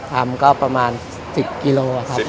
ทำก็ประมาณ๑๐กิโลครับ